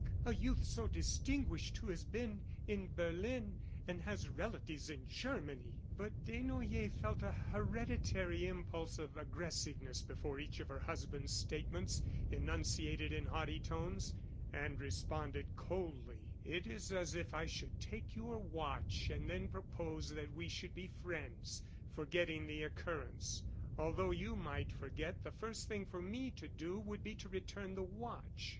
A youth so distinguished who has been in Berlin, and has relatives in Germany!" ... But Desnoyers felt a hereditary impulse of aggressiveness before each of her husband's statements, enunciated in haughty tones, and responded coldly: "It is as if I should take your watch and then propose that we should be friends, forgetting the occurrence. Although you might forget, the first thing for me to do would be to return the watch."